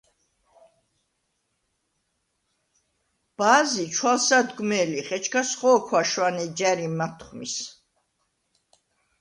ბა̄ზი ჩვალსადგვმე̄ლიხ, ეჩქას ხო̄ქვა შვანე ჯა̈რი მათხვმის: